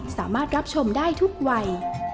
สามารถรับชมได้ทุกวัย